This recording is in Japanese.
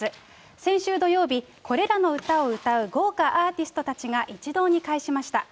先週土曜日、これらの歌を歌う豪華アーティストたちが一堂に会しました。